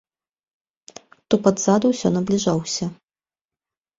Тупат ззаду ўсё набліжаўся.